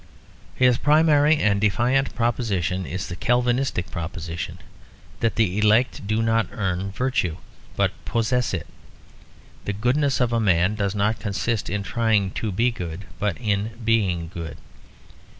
His primary and defiant proposition is the Calvinistic proposition: that the elect do not earn virtue, but possess it. The goodness of a man does not consist in trying to be good, but in being good.